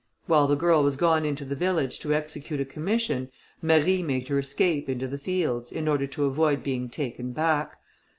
While the girl was gone into the village to execute a commission, Marie made her escape into the fields, in order to avoid being taken back.